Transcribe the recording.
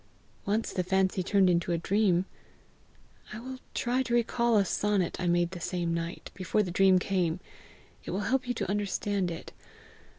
Once, the fancy turned into a dream. I will try to recall a sonnet I made the same night, before the dream came: it will help you to understand it.